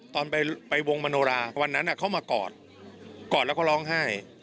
ตอนไปวงมโนราวันนั้นเขามากอดกอดแล้วก็ร้องไห้